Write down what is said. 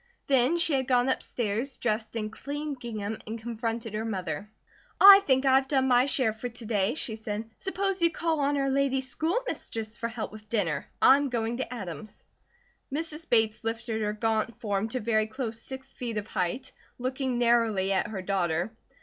Then she had gone upstairs, dressed in clean gingham and confronted her mother. "I think I have done my share for to day," she said. "Suppose you call on our lady school mistress for help with dinner. I'm going to Adam's." Mrs. Bates lifted her gaunt form to very close six feet of height, looking narrowly at her daughter.